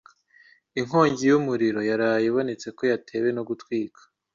Inkongi y'umuriro yaraye ibonetse ko yatewe no gutwika